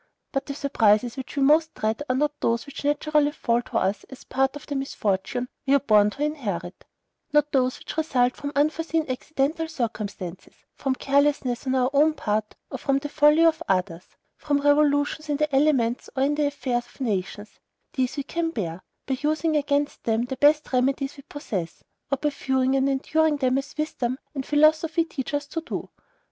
But the surprises which we most dread are not those which naturally fall to us as part of the misfortune we are born to inherit; not those which result from unforeseen accidental circumstances, from carelessness on our own part or from the folly of others, from revolutions in the elements or in the affairs of nations; these we can bear, by using against them the best remedies we possess, or by viewing and enduring them as wisdom and philosophy teach us to do.